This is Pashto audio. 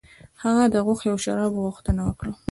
هغه د غوښې او شرابو غوښتنه وکړه.